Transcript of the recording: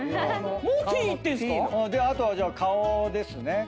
あとはじゃあ顔ですね。